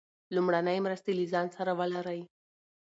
لومړنۍ مرستې له ځان سره ولرئ.